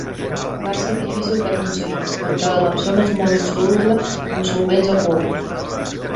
Va ser difícil d'aconseguir perquè la dapsona és molt insoluble en solvents aquosos.